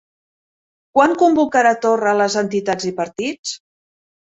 Quan convocarà Torra les entitats i partits?